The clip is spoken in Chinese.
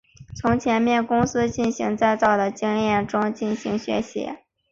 从前面公司进行再造的经验中进行学习。